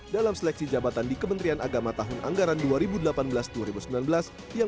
dalam seleksi jabatan di kementerian agama tahun anggaran dua ribu delapan belas dua ribu sembilan belas